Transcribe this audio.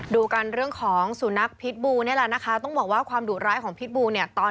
ดูกันเรื่องของสุนัขพิษบูนี่แหละนะคะต้องบอกว่าความดุร้ายของพิษบูเนี่ยตอน